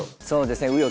そうですね。